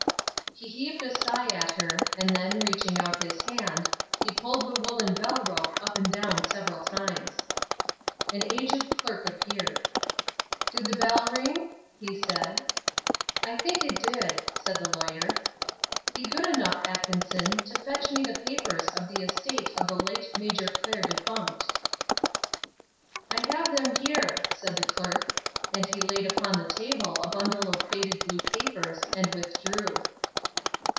He heaved a sigh at her, and then, reaching out his hand, he pulled the woollen bell rope up and down several times. An aged clerk appeared. "Did the bell ring?" he asked. "I think it did," said the Lawyer. "Be good enough, Atkinson, to fetch me the papers of the estate of the late Major Clair defunct." "I have them here," said the clerk, and he laid upon the table a bundle of faded blue papers, and withdrew.